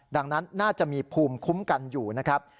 ดังนั้นน่าจะมีภูมิคุ้มกันอยู่นะครับ